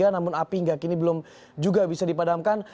namun api hingga kini belum juga bisa dipadamkan